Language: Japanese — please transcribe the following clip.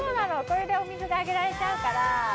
これでお水があげられちゃうから。